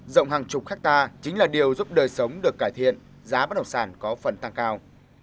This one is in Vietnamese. rộng hàng chục hectare chính là điều giúp đời sống được cải thiện giá bất động sản có phần tăng cao